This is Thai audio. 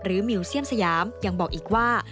มิวเซียมสยามยังบอกอีกว่า